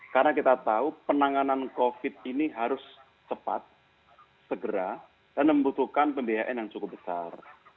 karena kita tahu penanganan covid sembilan belas ini harus cepat segera dan membutuhkan pendihain yang cukup besar